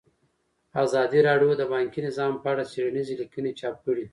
ازادي راډیو د بانکي نظام په اړه څېړنیزې لیکنې چاپ کړي.